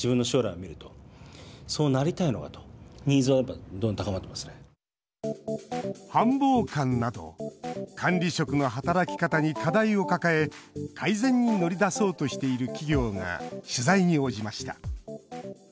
真剣に耳を傾けていました繁忙感など管理職の働き方に課題を抱え改善に乗り出そうとしている企業が取材に応じました。